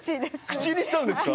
口にしたんですか？